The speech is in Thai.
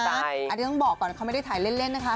อันนี้ต้องบอกก่อนเขาไม่ได้ถ่ายเล่นนะคะ